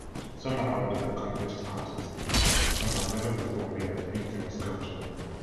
Some are already accomplished artists; some have never before made a painting or sculpture.